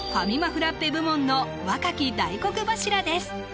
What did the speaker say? フラッペ部門の若き大黒柱です